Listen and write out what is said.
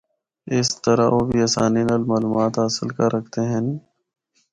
اسطرح او بھی آسانی نال معلومات حاصل کر ہکدے ہن۔